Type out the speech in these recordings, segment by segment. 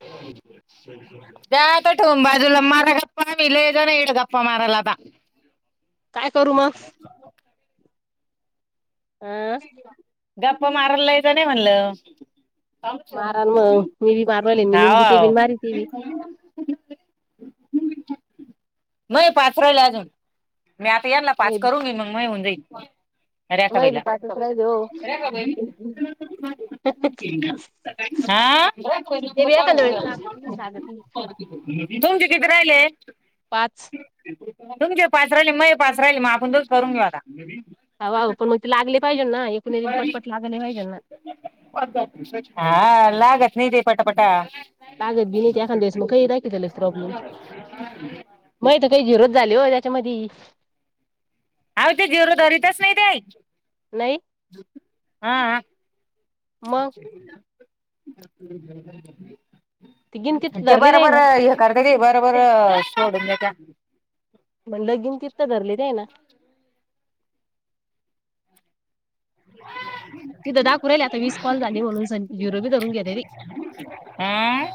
त्या आता ठोंबा माझ्याकडे बी लई इथं गप्पा मारायला काय करू मग ह [inaudible] आह. गप्पा मारायला लय जण आहे म्हटलं मारान मग मी बी मारवाले मी हव निंदी ते बी हव. मारी ते बी नाही पाच राहिले अजून मी आता याना म पाच करू मी मग म होऊन जाईल. म बी रेखाबाईला पाच राहिले हो रेखाबाईंनी ते हा बी एखाद्या वेळेस लागतच लागत तुमचे कितीे राहिले? पाच तुमचे पाच राहिले माझे हे पाच राहिले मग आपण दोघी करून घेऊ आता पण मग ते लागले पाहिजे ना. एकूण पटपट लागले पाहिजे ना हा लागल नाही दे पटापटा लागत बी नाहीत एखाद्यास मग काही दाखवताना प्रॉब्लेम माझे काही झिरो झाली हो त्याच्यामध्ये आ ते झिरो धरितीच नाही ते नाही हा. [inaudible] मग ते गिनतीत ते धरले जाई बरोबर ना हे करता ते बरोबर सोडून म्हटलं गिनती धरले नाही ना. [inaudible] तिथं दाखवू राहिले आता विस कॉल झाली म्हणून सन झिरो धरून घेता ते आ.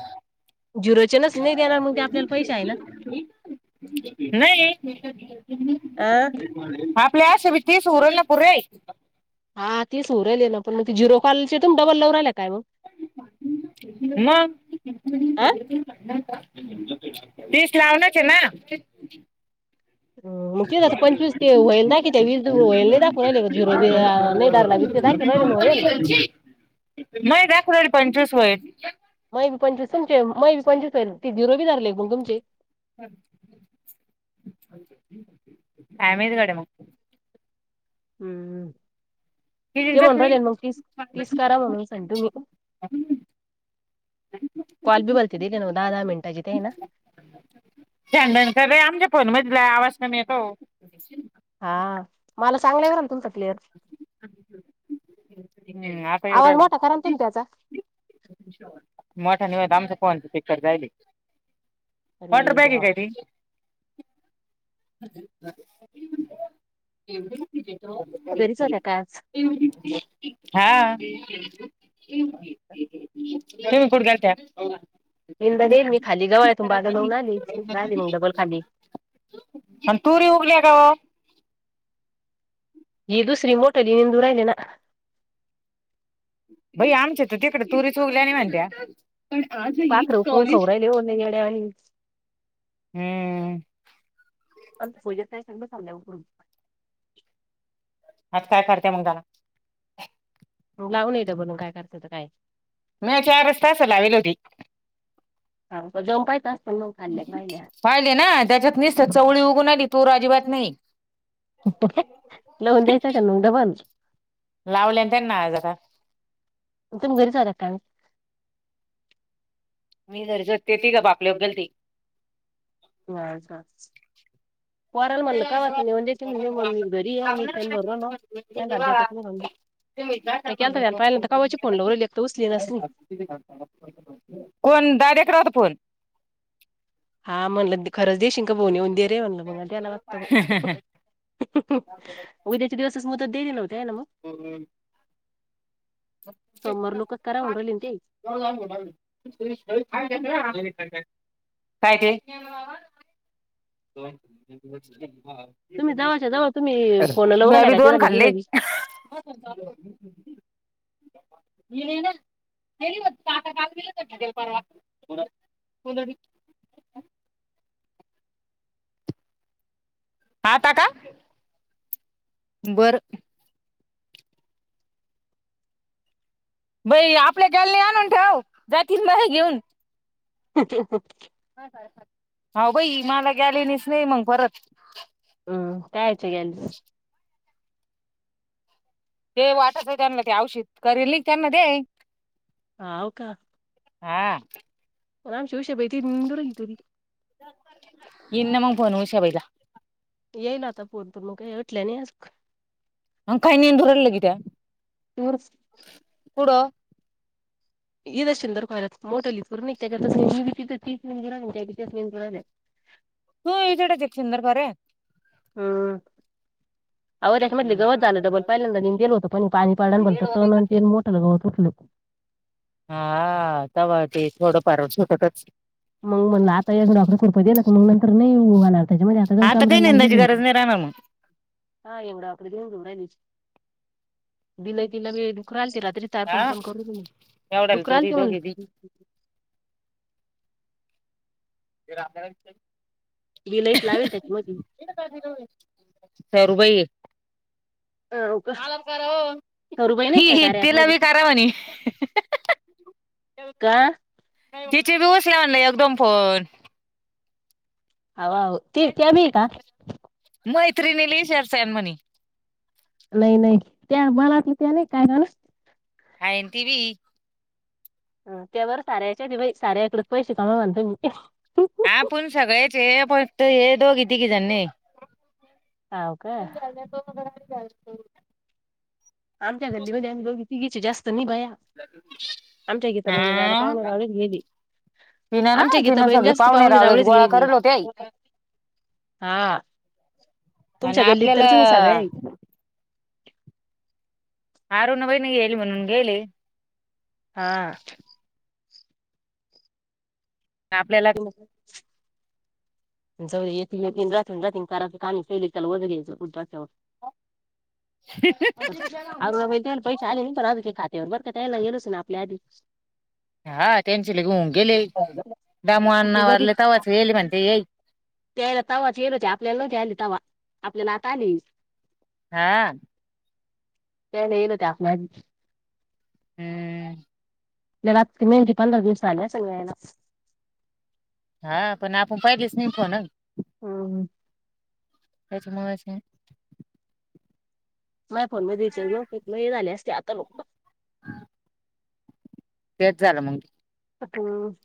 झिरोचनच नाही देणार मग ते आपल्याला पैसे आहे ना [inaudible] नाही, अ आपले आशी बी तीस होऊ राहिले पुरे हा तेच होऊ राहिले ना पण मग ते झिरो कॉलचे त डबल लव राहिले काय मग? मग. हा तीस लावूनच आहे ना. मग तिथे तो पंचवीस वायेल दाखवतात वीस वेळ नाही दाखवू राहिले झिरो धरला ते दाखवा राहिले होईल नाही दाखवून राहिले पंचवीस वयेत. मै बी पंचवीस तुमचे मै बी पंचवीस ते झिरो बी धरले मग तुमचे? काय माहित गड्या मंग हम्म. किती ते म्हणू बसली राहिले मग तीस तीस का म्हणून सांग तुम्ही कॉल बी बोलते दिल दहा, दहा मिनटाचे तीन फॅन रे आमच्या फोन मजला आवाज कमी येतोय. हा मला चांगलं येऊ राहिलाय तुमचा क्लियर. हम्म, आता येऊ आवाज राहिला मोठा कारण तुम्ही त्याचा मोठा नाही होत आमचा फोनचा स्पीकर जायेल हे. वॉटर अरे बॅग देवा आहे त्यांची एवढ, घरीच होत्या का आज हा, तुम्ही कुड कात्या येईल तर येईल मी खाली जवळ आहे. तु आता घाऊन आली मगडबल खाली आणि तुरी उगली का जी दुसरी मोठलिून दरयना. भाई आमच्या तर तिकडे तुरिस् वगल्या आणि म्हणत्या. पण आजही पाखरं उकरून कॉलेज खाऊ राहिले ओ लय येड्यावानी हम्म. अ फोज सांगलं लल्या आज काय करतेय मग त्याला लावून येतं बोलून काय करायचं होत काय. मी चार रस्ता सला वेलोधी हा जाऊन पाहतो. पाहिले ना त्याच्यात निसत चवळी उघून आली तुर अजिबात नाही. लहून द्यायच का मगदा बल लावलेंत ना जरा तुम्ही घरीच होत्या का काय? मी झर झतते ती का बापल्याबद्दल गेलती. ब. पारय म्हण ल कावा म्ह म दरी मी से म अ्या त कून ते लावू राहिली एक तर उचलीनाच नाही. डायरेक्ट रात फोण हा म्हणलं खरंच दे शिंक बोवणी येऊन दे रे म्हणल बघ त्याला वागतं. उद्याचे दिवसच म तर हो. [unintelligible] सोमवार लोकच करा का म्हणून राहिले ना ते. काय ते तुम्ही जवळच्या जवळ तुम्ही अ फोन लावू मी राहिल्या आभी का दोन तिथल्या खाल्ले. तिथं बी. [unintelligible] येन ना. ह होता काल परवा [unintelligible] हता का बरं. बई आपल्या गाली आणून ठेव जातील बाहे घेऊन [unintelligible] हा भाई मला गेलेनेच नाही मंग परत हम्म कायच या च ते वाटत त्यांना ते औशीत करील नाही त्यांना दे. ह होव का? हा. म नाम शिवष भ त नंदूर की तरी इन मग फोन हश्या बाईला येईल आता पोरपूर मग भटलं नाही. अ काही नाही धुराला लगे त्या्या पुढं. इदशंदरय मोठं लिूर् त्याच्या त मंजु त्यांज ह. तू एजडे जसंदरप आहे. हम. अव त्याच्या म्हटलं गवत झालं डबल पहिल्यांदा तेल होतं पण पाणी पाडण तन मोठं गवतं तक नक हा तव ते थोडं फारटच मग म्हणलं एकदा कोरब हिंदी लगे नाही हे होणार. त्याच्यामध्ये काही आपलं आता काम बेड लागलं निंदाची गरज नाही राहणार मग हा एवढा आता देवघरायला दिले तिला वेळ डुकराची रात. हा तायफनफन‌करूनका. एवढ्याला तुरी डुकरानखायलाघाल दोघी ती मी राम रायचं विलाईतलावीत त्यातमधी दुबई. का मला करा ओ. तरुबाई नाही ही का ही कार्या ॲप तिला मध्ये? मी करा वीनहंह का [unintelligible] एकदम फोन. आव आव ती मिलतात. तिरवेली शेर शेन मणी. नाही नाही त्या मणातल नाही कांहीं काडत हान टीवी त्यावर सारेच सारेवरच पैशे कावुण म्हणतेमी आपन सगळे च फकतये दोन तीन जण नयेत. हाव का मंदिराकडे दोन झन किती आयति आमच्या गल्लीमधे आमच्या दोगितीगि जस्त तनिक भया आमच्या गिता बहीणी ला आता हा पावण रावल यायलत. तिनं ना आमची गिता तिनं बहीणी सगळे जास्त पाहुणे पावणे रावळेच गोळा घेयली. करेल होते आई हा आणि तुमच्या गल्लीत तर आपल्याला तुम्ही सगळई आरूणा वयनि ययलि मणुण घयलीर हा. आपल्याला टिमक जवळ येतीन येतीन, जातीन जातीन करणं [unintelligible] फुटपाथ्यावर. आरूणा बाय तुजेकड पैसे आले नयत का अजुन एक हात बरका तयला ईरस ना आपल्या आधीच. हा टेन्शन घेऊ न गेले आधी. तिथे दामुआणा गती वारलेतवाच येईल महते येई त्यायला तवाच येलो आपल्याला न आली तवा आपल्याला आता आली. हा. त्या नाही न त्या आपल्या त हम्म. त्याला आता ती मैहंदी पधंरादीवसार आली आसल नयला हा पण आपण पहील्या सणी फोन हम्म. त्याची [unintelligible] माय फोन मध्ये [unintelligible] लई झाल्या असत्या हं. तेच झालं मग. हम्म.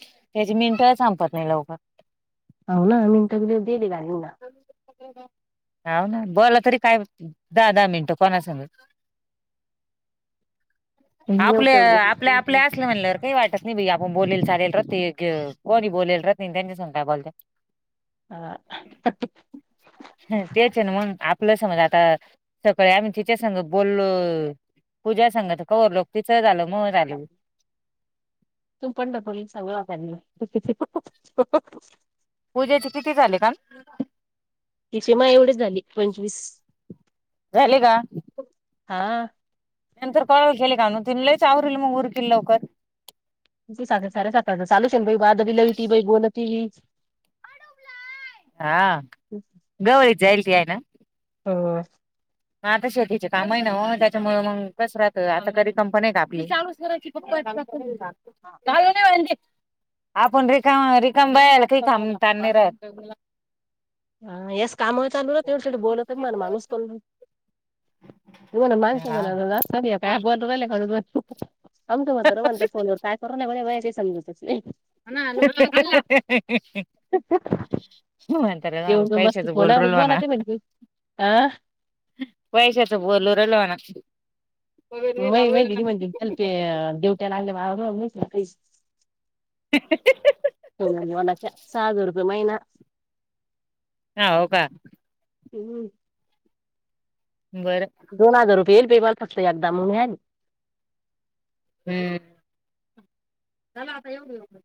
त्याची मिनट संपत नाही लवकर. दोन नाही मिनीटन दीली नाही. ह ना बोला तरी काय दहा दहा मिनटं कोणा संग. [unintelligible] आपले आपले आपले असले म्हणल्यावर काही वाटत नाही आपण बोलेल चालेल रहते कोणी बोलेल राहत नाही त्यांच्या सांग काय बोलत्यां. हं तेचन मग आप आपलं समज आता तीच्या सगं बोलो पुजा संग त हो लोकरीच झालं मुळ झाल. तू पण दपलिस सवरवतना हंहं हंहं. पूजेचे किती झाले का? तिची मा एवढीच झाली पंचवीस. झाले का हा. नंतर कळ केले काण तिन, लच आवरल मग उरक लवकर, त साडे सात वाजता लू बाहा दरी लली ती बोल होती, हा गवळी जायल तय ना, हो मग आता शेतीचे काम आहे ना, त्याच्यामुळे मग कस राहत आता करी कंपनी आहे का आपली, [unintelligible] आपण रिकाम रिकाम बयाला काही काम तणे राहत, हा यास काम चालू रा तेवढीव बोलत मला माणूस को, तु म माणस [unintelligible] आमग होत म्ह फोनवर काय कररा नाही, बा काही समजूतच अहं अहं हम्म म्हण. जा येऊन पण पैसे बसती तर गोल फोनावरच रोलवाना बोलाते म्हणते आ पैसे त बोलो रलवा न मई मा दिदी म्हणजलप देवट्याला लागले बा सहा रुपये महिना. हा हो का. हम्म. बरं दोन हजार रुपये येईल बेमाल कसला एकदा म्हून ह हम्म.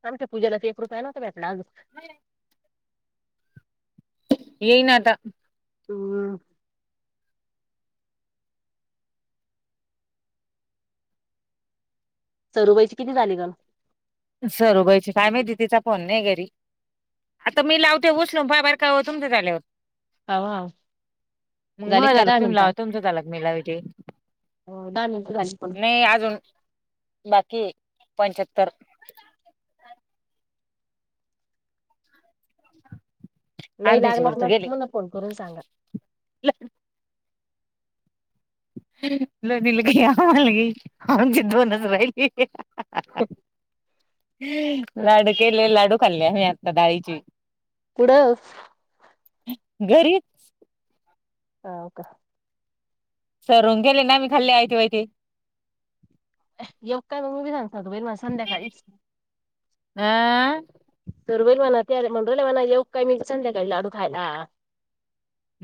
आमच्या पूजाला एक रूपया नव्हता भेटला. [unintelligible] येई ना आता. हम सरुबाईची किती झाली ग, सरूबाईची कामेती तिचा पण नाही घ, आता मी लावते उचलो बा बर काय होतुम ते आले हो, हवा मग मग झाल तुम्ही लाव तुमचं झाल मीला विथे, हो दनी दणी पण बाकी पंचत्तर, नाही अर्ध्याच्या वर लागलं तर मग गेले. ठेव ना फोन करून सांगा. लोनी लग आनग आनचे दोन नज राहिली, लाडू केले लाडू खाल्ले आम्ही, आता डाळीची, कुडं घरी, ह हो का, सरून गेले ना मी खाल्ली आयथ वायथ, येव काय मग मी सांगता तो बैलमा संध्याकाळी, अ सरुबाई ल म्हणा त्या मंडला म्हणा येऊ काय मी संल्या का लाडू खायला,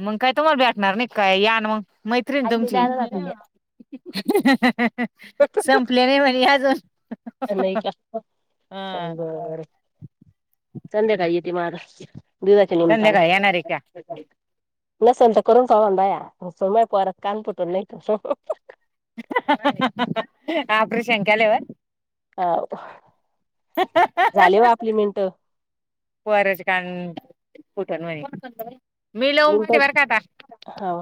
मग काय तुम्हाला भेटणार नाही, का यान मग मैत्रीण आई ते तुमची, जायला जातात संपले नाही म्हणे अजून,, नाही का ह बर, संध्याकाय येते मार, [unintelligible] संध्याकाळी येणार आहे का? नसेल तर करून सवन बाया सोमय, पोार कानपुटून नाही का, ऑप्रेश केले होय, अ झाले वा आपली मिनट, वरज का कुठण म्हणे, मी लाऊन पायली मिनटं बर का आता. हो